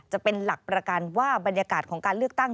จะเป็นหลักประกันว่าบรรยากาศของการเลือกตั้ง